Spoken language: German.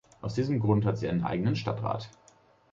Aus diesem Grund hat sie einen eigenen Stadtrat.